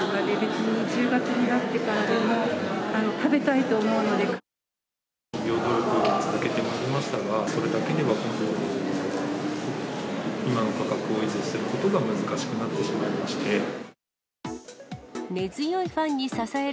企業努力を続けてまいりましたが、それだけでは今の価格を維持することが難しくなってしまいまして。